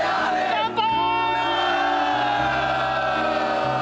乾杯！